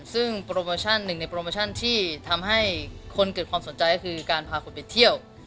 ซึ่งโปรโมชั่นหนึ่งในโปรโมชั่นที่ทำให้คนเกิดความสนใจก็คือการพาคนไปเที่ยว